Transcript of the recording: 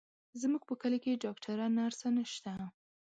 زموږ په کلي کې ډاکتره، نرسه نشته،